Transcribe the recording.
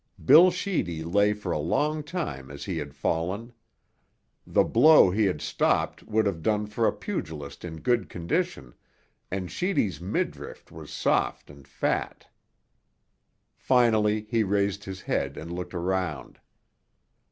Bill Sheedy lay for a long time as he had fallen. The blow he had stopped would have done for a pugilist in good condition, and Sheedy's midriff was soft and fat. Finally he raised his head and looked around.